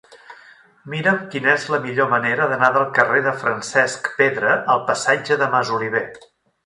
Mira'm quina és la millor manera d'anar del carrer de Francesc Pedra al passatge de Masoliver.